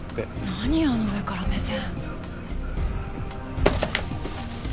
何あの上から目線。